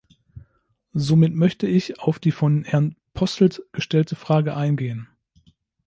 Somit möchte ich auf die von Herrn Posselt gestellte Frage eingehen.